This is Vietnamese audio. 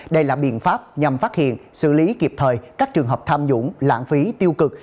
đây là biện pháp nhằm phát hiện xử lý kịp thời các trường hợp tham nhũng lãng phí tiêu cực